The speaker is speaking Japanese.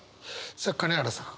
さあ金原さん。